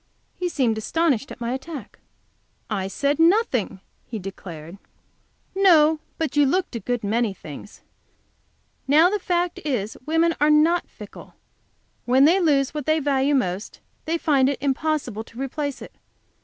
He seemed astonished at my attack. "I said nothing," he declared. "No, but you looked a good many things. Now the fact is, women are not fickle. When they lose what they value most, they find it impossible to replace it.